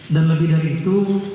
dan lebih dari itu